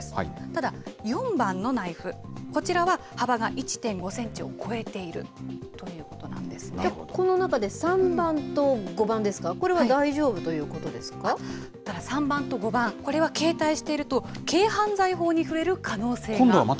ただ、４番のナイフ、こちらは幅が１．５センチを超えているといこの中で３番と５番ですか、ただ、３番と５番、これは携帯していると、軽犯罪法に触れる可能性が。